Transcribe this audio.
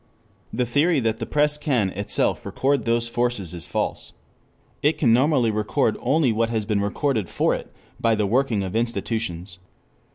The theory that the press can itself record those forces is false. It can normally record only what has been recorded for it by the working of institutions.